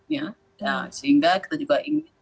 ya sehingga kita juga